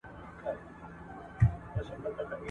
د افغان غازیانو په وړاندي پرنګیانو ماته وخوړه.